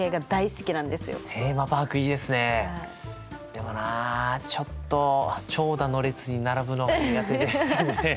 でもなちょっと長蛇の列に並ぶのが苦手で。